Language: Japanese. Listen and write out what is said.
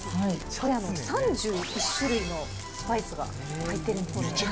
これ、３１種類のスパイスが入ってるんですよ。